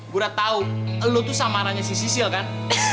gue udah tau lo tuh sama aranya sisil kan